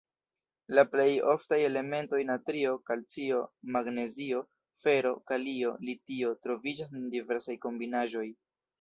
La plej oftaj elementoj natrio, kalcio, magnezio, fero, kalio, litio troviĝas en diversaj kombinaĵoj.